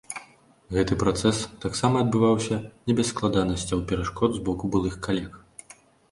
Гэты працэс таксама адбываўся не без складанасцяў і перашкод з боку былых калег.